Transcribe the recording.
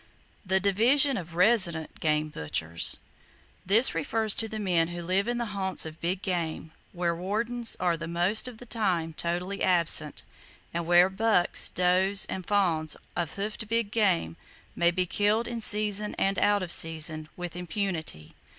The Division Of "Resident" Game Butchers. —This refers to the men who live in the haunts of big game, where wardens are the most of the time totally absent, and where bucks, does and fawns of hoofed big game may be killed in season and out of season, with impunity.